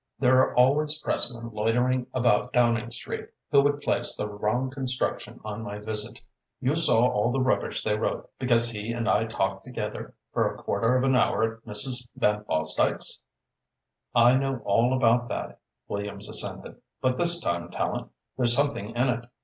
There are always pressmen loitering about Downing Street, who would place the wrong construction on my visit. You saw all the rubbish they wrote because he and I talked together for a quarter of an hour at Mrs. Van Fosdyke's?" "I know all about that," Williams assented, "but this time, Tallente, there's something in it.